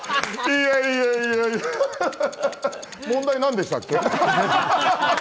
いや、いや、いや、アハハハ、問題、何でしたっけ？